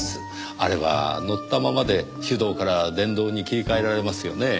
あれは乗ったままで手動から電動に切り替えられますよねぇ。